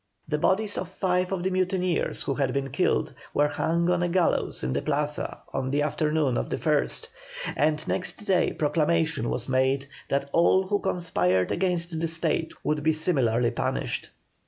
The bodies of five of the mutineers who had been killed, were hung on a gallows in the Plaza on the afternoon of the 1st, and next day proclamation was made that all who conspired against the State would be similarly punished.